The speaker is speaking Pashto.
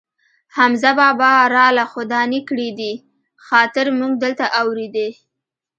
حمزه بابا را له ښودانې کړی دي، خاطر مونږ دلته اورېدی.